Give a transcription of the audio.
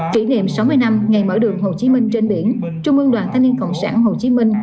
kỷ niệm sáu mươi năm ngày mở đường hồ chí minh trên biển trung ương đoàn thanh niên cộng sản hồ chí minh